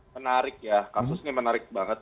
menarik ya kasusnya menarik banget